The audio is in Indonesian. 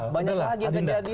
banyak lagi yang kejadian